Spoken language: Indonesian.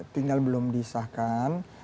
tinggal belum disahkan